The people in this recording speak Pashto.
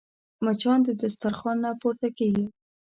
مچان د دسترخوان نه پورته کېږي